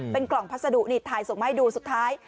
เป็นกล่องพัสดุนี่ถ่ายส่งมาให้ดูสุดท้าย